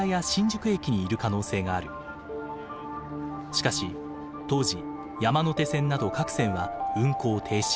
しかし当時山手線など各線は運行停止。